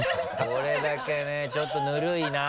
これだけねちょっとぬるいな。